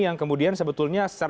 yang kemudian sebetulnya